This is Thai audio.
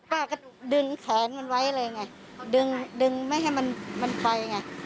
ป้าก็ดึงแขนมันไว้เลยไงดึงดึงไม่ให้มันมันไปไง